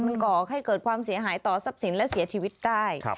มันก่อให้เกิดความเสียหายต่อทรัพย์สินและเสียชีวิตได้